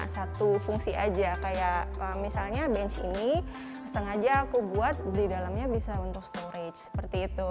satu fungsi aja kayak misalnya bench ini sengaja aku buat di dalamnya bisa untuk storage seperti itu